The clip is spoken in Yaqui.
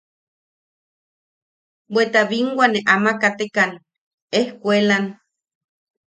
Bweta binwa ne ama katekan ejkuelan.